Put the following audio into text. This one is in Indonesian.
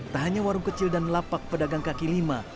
tak hanya warung kecil dan lapak pedagang kaki lima